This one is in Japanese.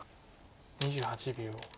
２８秒。